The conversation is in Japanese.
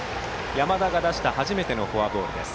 山田が出した初めてのフォアボールです。